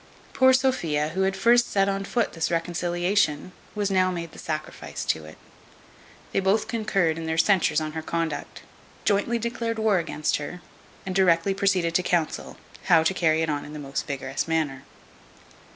Poor Sophia, who had first set on foot this reconciliation, was now made the sacrifice to it. They both concurred in their censures on her conduct; jointly declared war against her, and directly proceeded to counsel, how to carry it on in the most vigorous manner.